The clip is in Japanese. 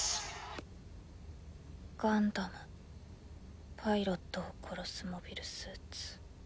タッガンダムパイロットを殺すモビルスーツ。